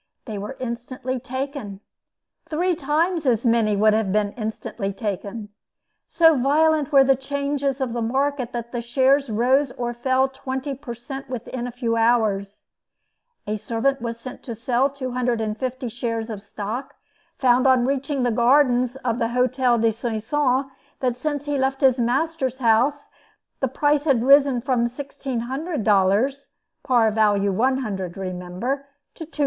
They were instantly taken. Three times as many would have been instantly taken. So violent were the changes of the market, that shares rose or fell twenty per cent. within a few hours. A servant was sent to sell two hundred and fifty shares of stock; found on reaching the gardens of the Hotel de Soissons, that since he left his master's house the price had risen from $1,600 (par value $100 remember) to $2,000.